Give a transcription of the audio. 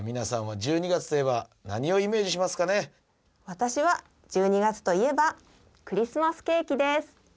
私は１２月といえばクリスマスケーキです。